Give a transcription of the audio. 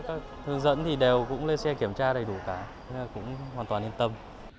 các thường dẫn thì đều cũng lên xe kiểm tra đầy đủ cả thế là cũng hoàn toàn yên tâm